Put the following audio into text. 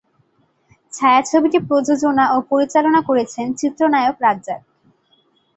ছায়াছবিটি প্রযোজনা ও পরিচালনা করেছেন চিত্রনায়ক রাজ্জাক।